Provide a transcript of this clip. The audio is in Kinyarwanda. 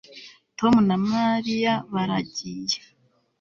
Tom na Mariya baragiye